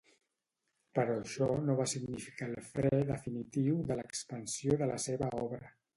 Però això no va significar el fre definitiu de l’expansió de la seva obra.